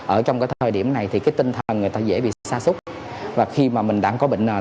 ở trong cái thời điểm này thì cái tinh thần người ta dễ bị xa xúc và khi mà mình đang có bệnh nền